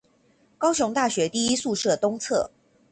高雄大學第一宿舍東側